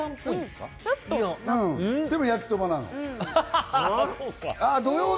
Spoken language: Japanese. うん、でも焼きそばなの。